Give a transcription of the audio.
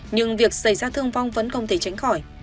nhưng việc xảy ra thương vong vẫn không thể tránh khỏi